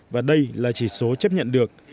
và đây là chỉ số chấp nhận được